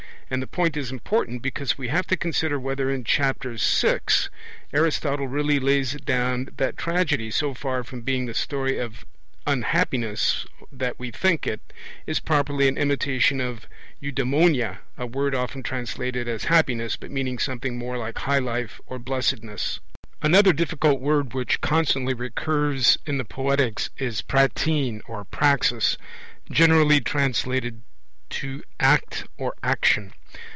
And the point is important, because we have to consider whether in Chapter VI Aristotle really lays it down that tragedy, so far from being the story of un happiness that we think it, is properly an imitation of eudaimonia a word often translated 'happiness', but meaning something more like 'high life' or 'blessedness'. (1) (1) See Margoliouth, p. 121. By water, with most editors, emends the text. Another difficult word which constantly recurs in the Poetics is prattein or praxis, generally translated 'to act' or 'action'.